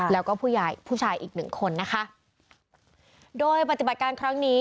แล้วก็ผู้ใหญ่ผู้ชายอีกหนึ่งคนนะคะโดยปฏิบัติการครั้งนี้